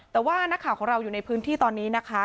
แต่ว่านักข่าวของเราอยู่ในพื้นที่ตอนนี้นะคะ